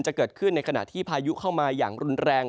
จะเกิดขึ้นในขณะที่พายุเข้ามาอย่างรุนแรง